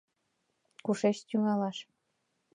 Кушеч тӱҥалаш?